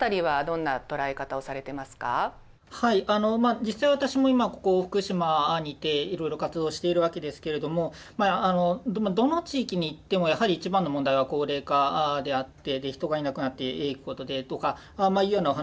実際私も今ここ福島にいていろいろ活動しているわけですけれどもどの地域に行ってもやはり一番の問題は高齢化であって人がいなくなっていくことでとかいうようなお話をされています。